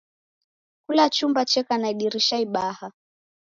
Kula chumba cheka na idirisha ibaha.